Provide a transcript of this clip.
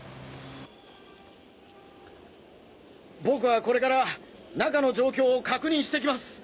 僕はこれから中の状況を確認してきます。